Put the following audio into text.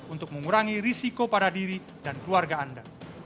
untuk mengurangi risiko pada diri dan keluarga anda